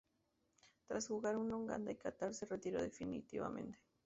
Tras jugar en Uganda y Catar, se retiró definitivamente.